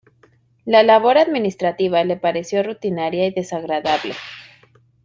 La labor administrativa le pareció rutinaria y desagradable.